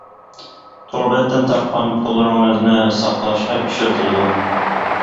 تور بەتتىن تاپقان پۇللىرىڭىزنى ساقلاشقا ئىشلىتىلىدۇ.